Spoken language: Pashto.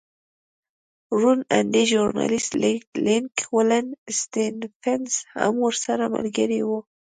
روڼ اندی ژورنالېست لینک ولن سټېفنس هم ورسره ملګری و.